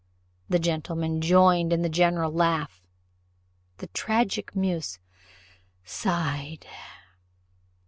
The gentlemen joined in the general laugh: the tragic muse sighed.